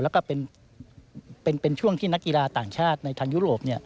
แล้วก็เป็นช่วงที่นักกีฬาต่างชาติในทางยุโรป